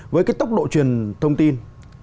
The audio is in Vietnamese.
với cái tốc độ truyền thông tin